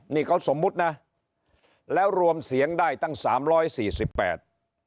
นี่เขาสมมุตินะแล้วรวมเสียงได้ตั้งสามร้อยสี่สิบแปด